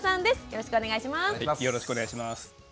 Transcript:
よろしくお願いします。